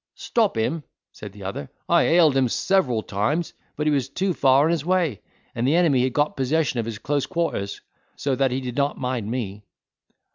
"Stop him!" said the other; "I hailed him several times, but he was too far on his way, and the enemy had got possession of his close quarters; so that he did not mind me."